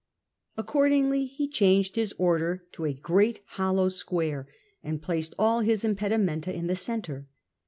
Accordingly he changed his order to a great hollow square, and placed all his impedi menta in its centre.